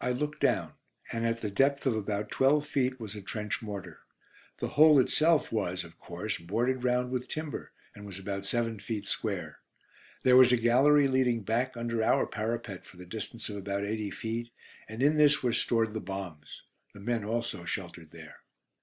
I looked down, and at the depth of about twelve feet was a trench mortar. The hole itself was, of course, boarded round with timber, and was about seven feet square. There was a gallery leading back under our parapet for the distance of about eighty feet, and in this were stored the bombs. The men also sheltered there.